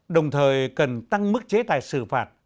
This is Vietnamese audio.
đồng thời cần tăng mức chế tài xử phạt